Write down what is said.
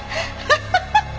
ハハハハ！